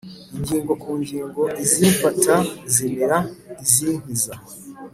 ingingo ku ngingo, izimfata zimira izinkiza,